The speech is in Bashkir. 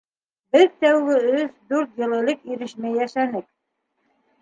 Беҙ тәүге өс, дүрт йыл ирешмәй йәшәнек.